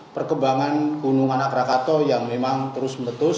perkembangan gunung anak rakato yang memang terus menetus